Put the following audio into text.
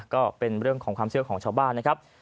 ก็เป็นเรื่องของความเชื่อของชาวบ้านนะครับ